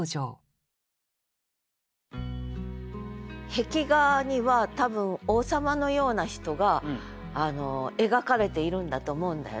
壁画には多分王様のような人が描かれているんだと思うんだよね。